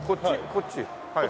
こっち。